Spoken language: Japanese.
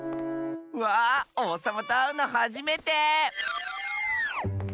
わあおうさまとあうのはじめて。